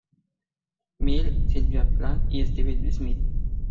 Milne, Sylvia Plath y Stevie Smith.